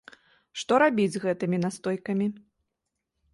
Што рабіць з гэтымі настойкамі?